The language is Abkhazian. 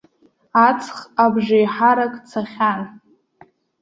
Аҵх абжеиҳарак цахьан.